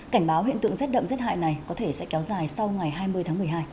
cảnh báo hiện tượng rét đậm rét hại này có thể sẽ kéo dài sau ngày hai mươi tháng một mươi hai